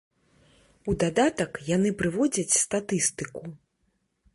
У дадатак яны прыводзяць статыстыку.